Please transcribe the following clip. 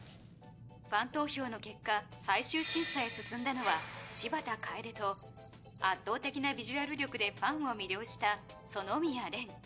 ファン投票の結果最終審査へ進んだのは芝田かえでと圧倒的なビジュアル力でファンを魅了した園宮蓮。